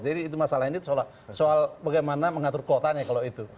jadi itu masalah ini soal bagaimana mengatur kuotanya kalau itu